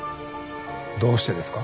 どうしてですか？